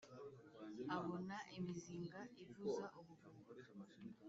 Abona imizinga ivuza ubuhuha